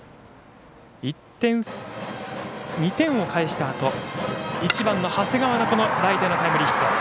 ２点を返したあと１番の長谷川のライトへのタイムリーヒット。